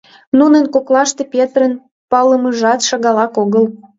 Нунын коклаште Петрын палымыжат шагалак огыл.